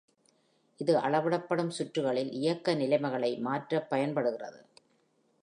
இது அளவிடப்படும் சுற்றுகளில் இயக்க நிலைமைகளை மாற்ற பயன்படுகிறது.